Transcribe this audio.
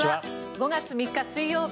５月３日、水曜日